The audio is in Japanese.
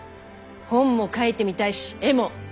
本も書いてみたいし画も。